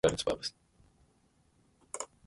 They are small shrubs with soft silken leaves.